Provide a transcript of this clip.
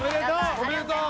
おめでとう。